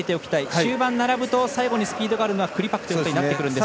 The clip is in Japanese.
終盤並ぶと最後にスピードがあるのはクリパクです。